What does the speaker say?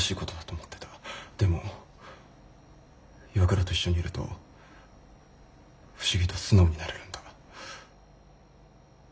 でも岩倉と一緒にいると不思議と素直になれるんだ。